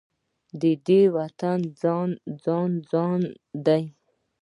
دې وطن کې ځان ځاني ده.